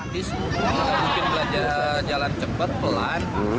pada pagi semua kita belajar jalan cepat pelan